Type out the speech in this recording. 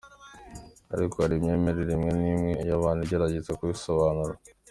Ariko hari imyemerere imwe n’imwe y’abantu igerageza kubisobanura:.